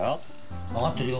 わかってるよ。